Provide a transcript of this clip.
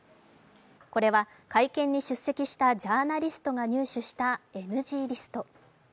これは会見に出席したジャーナリストが入手したＮＧリスト。